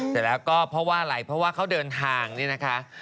เสร็จแล้วก็เพราะว่าอะไรเพราะว่าเขาเดินทางนี่นะคะ